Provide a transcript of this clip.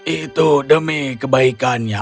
itu demi kebaikannya